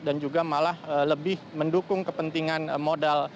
dan juga malah lebih mendukung kepentingan modal